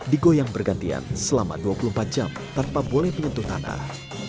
digoyang bergantian selama dua puluh empat jam tanpa boleh menyentuh tanah